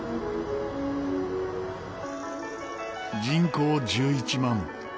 人口１１万